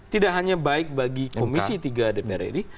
tidak hanya baik bagi komisi tiga dpr ri